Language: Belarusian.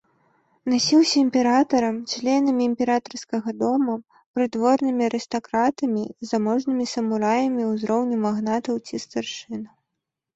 Насіўся імператарам, членамі імператарскага дома, прыдворнымі арыстакратамі, заможнымі самураямі ўзроўню магнатаў ці старшын.